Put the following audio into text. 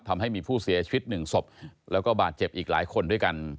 ทำให้มีผู้เสียชีวิตหนึ่งศพแล้วก็บาดเจ็บอีกหลายคนด้วยกัน